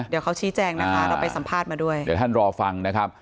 เดี๋ยวเขาชี้แจงนะคะเราไปสัมภาษณ์มาด้วยเดี๋ยวท่านรอฟังนะครับ